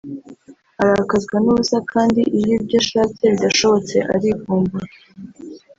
arakazwa n’ubusa kandi iyo ibyo ashatse bidashobotse arivumbura